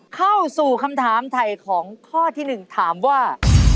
เข้าสู่คำถามถ่ายของข้อที่๑ถามว่า